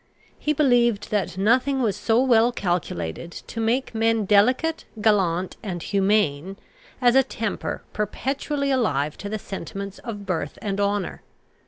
He believed that nothing was so well calculated to make men delicate, gallant, and humane, as a temper perpetually alive to the sentiments of birth and honour.